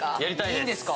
いいんですか。